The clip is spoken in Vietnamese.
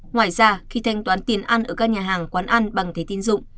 ngoài ra khi thanh toán tiền ăn ở các nhà hàng quán ăn bằng thế tin dụng